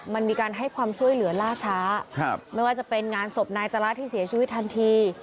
มันมีการให้ความช่วยเหลือล่าช้าไม่ว่าจะเป็นงานศพนายจระที่เสียชีวิตทันที